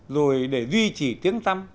rồi để duy trì tiếng tăm